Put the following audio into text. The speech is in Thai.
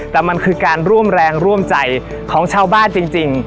แต่มันคือการร่วมแรงร่วมใจของชาวบ้านจริง